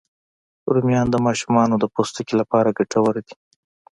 رومیان د ماشومانو د پوستکي لپاره ګټور دي